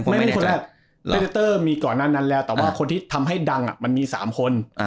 พีเตเตอร์มีก่อนนั้นแล้วแต่ว่าคนที่ทำให้ดังมี๓คน